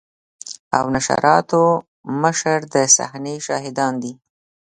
او نشراتو مشر د صحنې شاهدان دي.